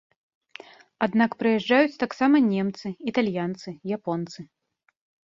Аднак прыязджаюць таксама немцы, італьянцы, японцы.